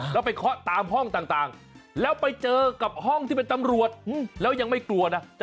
แล้วไปเคาะตามห้องต่างแล้วไปเจอกับห้องที่เป็นตำรวจแล้วยังไม่กลัวนะ